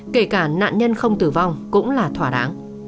kể cả nạn nhân không tử vong cũng là thỏa đáng